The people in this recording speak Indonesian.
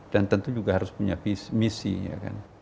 dan tentu juga harus punya misinya